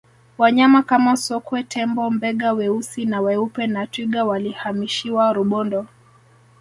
wanyama Kama sokwe tembo mbega weusi na weupe na twiga walihamishiwa rubondo